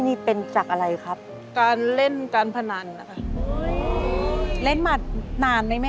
แสดงว่าลูกเองก็เห็นว่าเวลาคนนั้นมาถวงเงิน